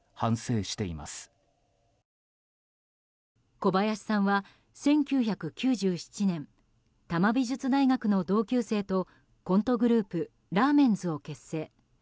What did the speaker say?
小林さんは１９９７年多摩美術大学の同級生とコントグループラーメンズを結成。